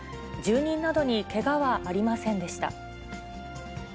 住人などにけがはありませんでした。